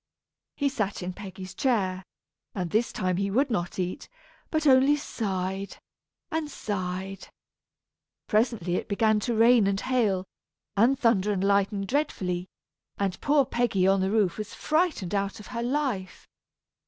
He sat in Peggy's chair; and this time he would not eat, but only sighed and sighed. Presently it began to rain and hail, and thunder and lighten dreadfully; and poor Peggy on the roof was frightened out of her life.